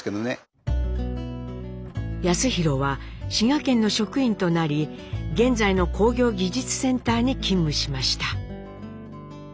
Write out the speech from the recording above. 康宏は滋賀県の職員となり現在の工業技術センターに勤務しました。